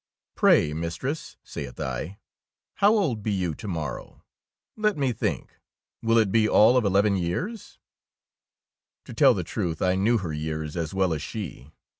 '^Pray, mistress," saith I, "how old 3 DEEDS OF DABING be you to morrow I Let me think, will it be all of eleven years ?'' To tell truth, I knew her years as well as she.